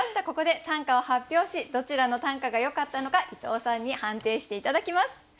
ここで短歌を発表しどちらの短歌がよかったのか伊藤さんに判定して頂きます。